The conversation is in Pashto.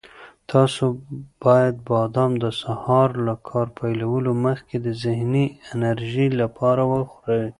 تاسو باید بادام د سهار له کار پیلولو مخکې د ذهني انرژۍ لپاره وخورئ.